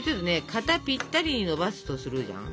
型ぴったりにのばすとするじゃん？